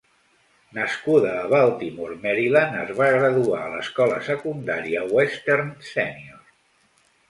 Nascuda a Baltimore, Maryland, es va graduar a l'Escola Secundària Western Senior.